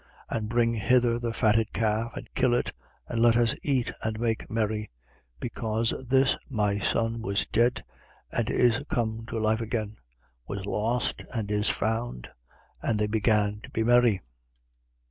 15:23. And bring hither the fatted calf, and kill it: and let us eat and make merry: 15:24. Because this my son was dead and is come to life again, was lost and is found. And they began to be merry.